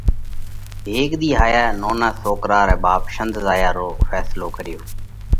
هيڪ ۮِي هائيا نونا سوڪرا رئہ ٻاپ شنڌ زايا رو ڦينصلو ڪريو۔